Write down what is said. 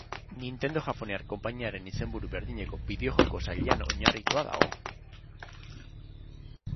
Nintendo japoniar konpainiaren izenburu berdineko bideo-joko sailean oinarritua dago.